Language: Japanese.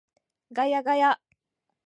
ガヤガヤ